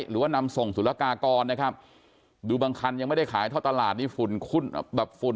หรือว่านำส่งสุรกากรนะครับดูบางคันยังไม่ได้ขายท่อตลาดนี่ฝุ่นแบบฝุ่น